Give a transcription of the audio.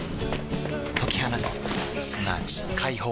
解き放つすなわち解放